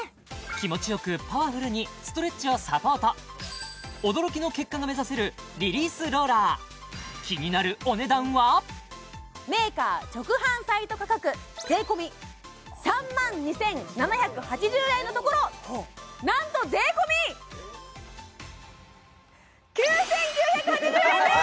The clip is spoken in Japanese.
気持ちよくパワフルにストレッチをサポート驚きの結果が目指せるリリースローラーメーカー直販サイト価格税込３２７８０円のところなんと税込９９８０円です！